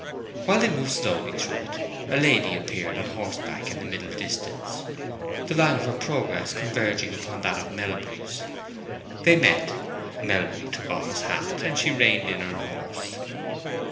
While they moved slowly through it a lady appeared on horseback in the middle distance, the line of her progress converging upon that of Melbury's. They met, Melbury took off his hat, and she reined in her horse.